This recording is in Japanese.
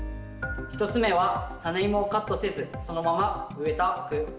１つ目はタネイモをカットせずそのまま植えた区。